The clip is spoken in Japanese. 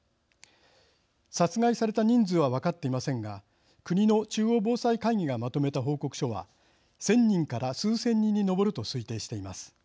殺害された人数は分かっていませんが国の中央防災会議がまとめた報告書は千人から数千人に上ると推定しています。